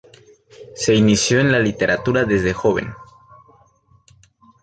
Se inició en la literatura desde joven.